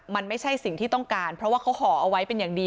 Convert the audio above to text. มันไม่ใช่สิ่งที่ต้องการเพราะว่าเขาห่อเอาไว้เป็นอย่างดี